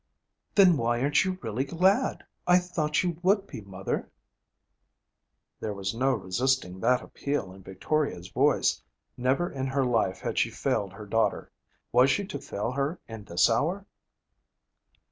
'Then why aren't you really glad? I thought you would be, mother.' There was no resisting that appeal in Victoria's voice. Never in her life had she failed her daughter. Was she to fail her in this hour?